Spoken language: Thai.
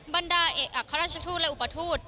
บรรดาเอกอัครราชทูตและอุปทูต